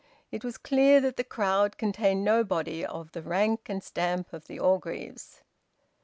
It was clear that the crowd contained nobody of the rank and stamp of the Orgreaves.